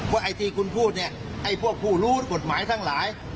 ไอ้ที่คุณพูดเนี่ยไอ้พวกผู้รู้กฎหมายทั้งหลาย